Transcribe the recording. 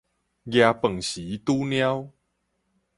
夯飯匙拄貓